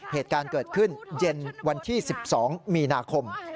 เหตุการณ์เกิดขึ้นเย็นวันที่๑๒มีนาคม